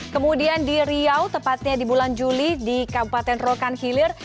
kemudian di riau tepatnya di bulan juli di kabupaten rokan hilir